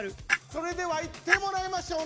それでは言ってもらいましょう。